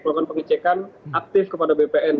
melakukan pengecekan aktif kepada bpn